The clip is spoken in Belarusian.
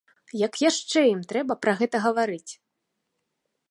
Як яшчэ ім трэба пра гэта гаварыць?!.